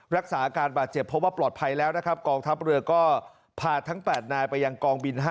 รักษาอาการบาดเจ็บเพราะว่าปลอดภัยแล้วนะครับกองทัพเรือก็พาทั้ง๘นายไปยังกองบิน๕